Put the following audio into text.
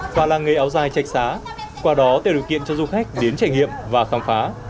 và làng nghề áo dài chạch xá qua đó tạo điều kiện cho du khách đến trải nghiệm và khám phá